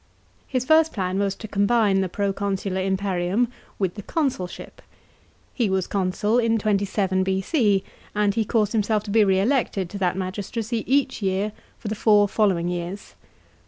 His first plan was to combine the proconsular imperium with the consulship.! He was consul in 27 B.C., and he caused himself to be re elected to that magistracy each year for the four following years.